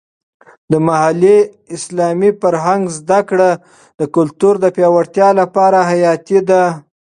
د محلي اسلامي فرهنګ زده کړه د کلتور د پیاوړتیا لپاره حیاتي ده.